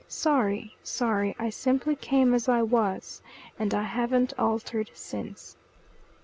Sorry. Sorry. I simply came as I was, and I haven't altered since."